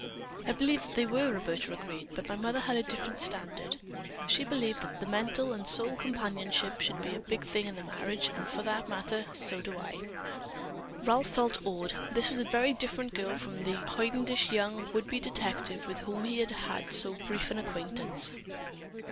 "I believe that they were," Roberta agreed, "but my mother had a different standard. She believed that mental and soul companionship should be the big thing in marriage, and for that matter, so do I." Ralph felt awed. This was a very different girl from the hoidenish young would be detective with whom he had so brief an acquaintance.